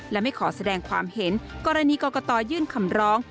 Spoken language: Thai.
และไม่ขอแสดงความเห็นกรณีกรกตยื่นคำร้อง